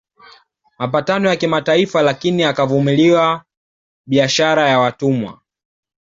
Mapatano ya kimataifa lakini akavumilia biashara ya watumwa